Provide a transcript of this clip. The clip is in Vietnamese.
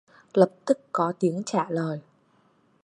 Lập tức có tiếng trả lời